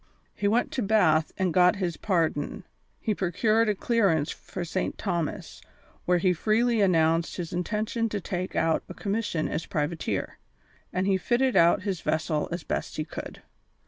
He went to Bath and got his pardon; he procured a clearance for St. Thomas, where he freely announced his intention to take out a commission as privateer, and he fitted out his vessel as best he could.